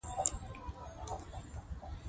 دا د یوې روغې ټولنې نښه ده.